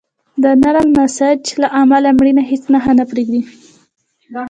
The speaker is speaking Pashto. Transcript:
د نرم نسج له امله مړینه هیڅ نښه نه پرېږدي.